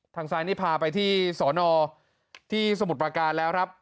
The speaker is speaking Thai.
ทางซ้ายนี่พาไปที่สอนอที่สมุทรประการแล้วครับ